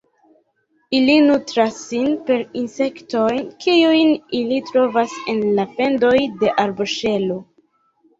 Ili nutras sin per insektoj, kiujn ili trovas en la fendoj de arboŝelo.